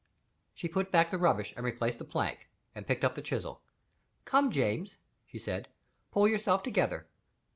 She put back the rubbish, and replaced the plank, and picked up the chisel. "Come, James," she said; "pull yourself together."